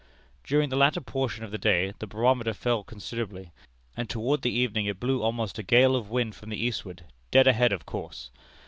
During the latter portion of the day the barometer fell considerably, and toward the evening it blew almost a gale of wind from the eastward, dead ahead of course.